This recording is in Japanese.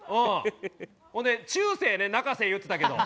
ほんで「中世」ね「なかせ」言うてたけど。